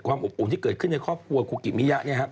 ความอบอุ่มที่เกิดขึ้นในครอบครัวคุกิมิยะ